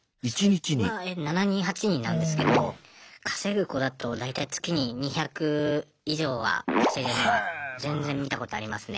それは７人８人なんですけど稼ぐ子だと大体月に２００以上は稼いでるの全然見たことありますね。